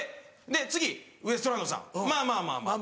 次ウエストランドさんまぁまぁまぁまぁ。